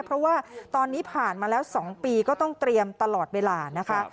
เพราะว่าตอนนี้ผ่านมาแล้ว๒ปีก็ต้องเตรียมตลอดเวลานะคะ